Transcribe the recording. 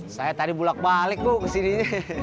saya tadi bulak balik bu kesininya